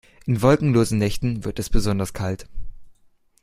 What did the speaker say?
In wolkenlosen Nächten wird es besonders kalt.